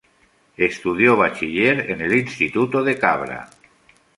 Estudió bachiller en el instituto de Cabra.